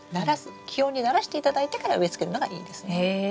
気温にならしていただいてから植えつけるのがいいですね。